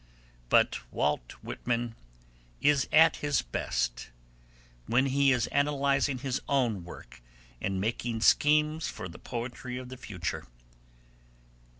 But Walt Whitman is at his best when he is analysing his own work and making schemes for the poetry of the future.